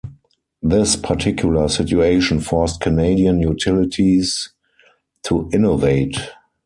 This particular situation forced Canadian utilities to innovate.